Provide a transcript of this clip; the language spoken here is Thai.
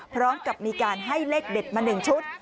พร้อมกับมีการให้เลขเด็ดมา๑ชุด